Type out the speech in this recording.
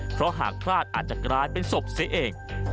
เพราะหากพลาดอาจจะกลายเป็นศพเสียเอง